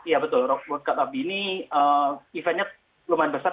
ya betul world cup rugby ini eventnya lumayan besar